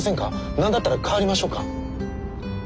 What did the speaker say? なんだったら代わりましょうか？